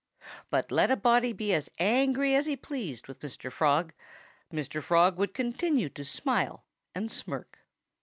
But let a body be as angry as he pleased with Mr. Frog, Mr. Frog would continue to smile and smirk.